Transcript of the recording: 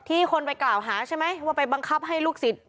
คนไปกล่าวหาใช่ไหมว่าไปบังคับให้ลูกศิษย์